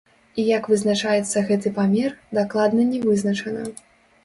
І як вызначаецца гэты памер, дакладна не вызначана.